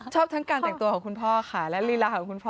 ชอบทั้งการแต่งตัวของคุณพ่อค่ะและลีลาของคุณพ่อ